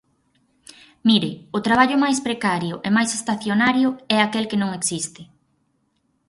Mire, o traballo máis precario e máis estacionario é aquel que non existe.